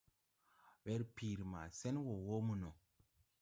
Werpiiri maa sen wɔɔ wɔɔ mo no.